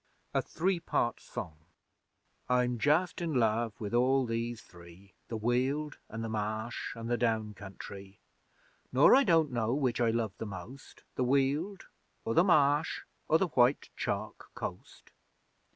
A THREE PART SONG I'm just in love with all these three, The Weald an' the Marsh an' the Down countrie; Nor I don't know which I love the most, The Weald or the Marsh or the white chalk coast!